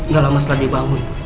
gak lama setelah dia bangun